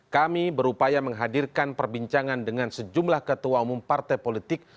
kami berupaya menghadirkan perbincangan dengan sejumlah ketua umum partai politik